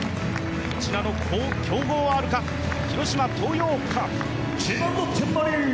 こちらの競合あるか、広島東洋カープ。